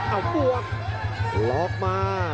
เอาบวกล็อกมา